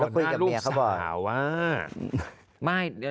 แล้วพูดกับเมียเขาบ่อยแต่ตอนหน้าลูกสาวว่า